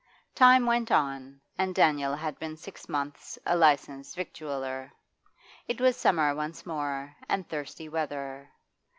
Time went on, and Daniel had been six months a licensed victualler. It was summer once more, and thirsty weather.